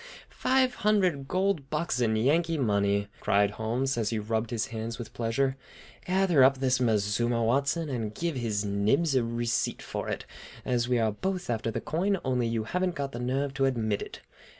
Five hundred cold bucks in Yankee money!" cried Hemlock Holmes, as he rubbed his hands with pleasure. "Gather up this mazuma, Watson, and give His Nibs a receipt for it, as we are both after the coin, only you haven't got the nerve to admit it.